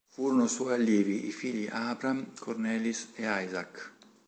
Furono suoi allievi i figli Abraham, Cornelis e Isaac.